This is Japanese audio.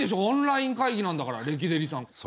オンライン会議なんだからレキデリさん。